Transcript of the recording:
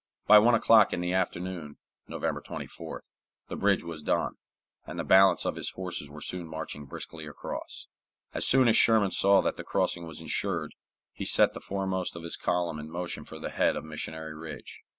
By one o'clock in the afternoon (November 24th) the bridge was done, and the balance of his forces were soon marching briskly across. As soon as Sherman saw that the crossing was insured, he set the foremost of his column in motion for the head of Missionary Ridge.